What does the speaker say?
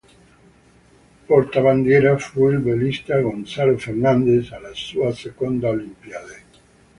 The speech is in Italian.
Portabandiera fu il velista Gonzalo Fernández, alla sua seconda Olimpiade.